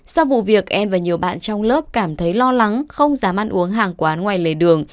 sau vụ việc em và nhiều bạn trong lớp cảm thấy lo lắng không dám ăn uống hàng quán ngoài lề đường